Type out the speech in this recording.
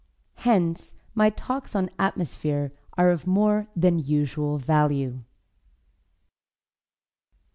Hence, my talks on atmosphere are of more than usual value.